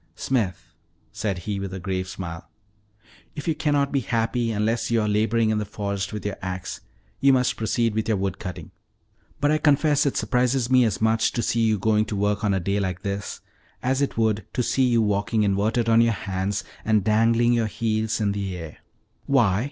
"Smith," said he, with a grave smile, "if you cannot be happy unless you are laboring in the forest with your ax you must proceed with your wood cutting; but I confess it surprises me as much to see you going to work on a day like this, as it would to see you walking inverted on your hands, and dangling your heels in the air." "Why?"